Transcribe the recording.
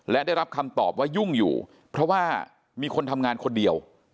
และได้รับคำตอบว่ายุ่งอยู่เพราะว่ามีคนทำงานคนเดียว